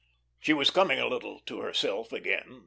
She was coming a little to herself again.